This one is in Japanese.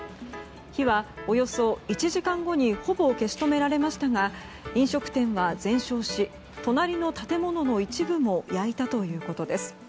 火はおよそ１時間後にほぼ消し止められましたが飲食店は全焼し隣の建物の一部も焼いたということです。